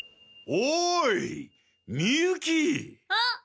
おーい、みゆき。